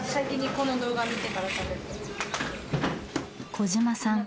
小嶋さん